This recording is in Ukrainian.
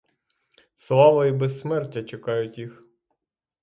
Слава і безсмертя чекають їх.